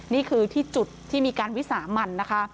นี่คือที่จุดที่มีการวิสาห์มัน